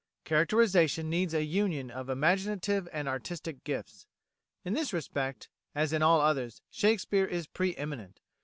Characterisation needs a union of imaginative and artistic gifts. In this respect, as in all others, Shakespeare is pre eminent.